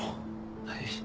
はい。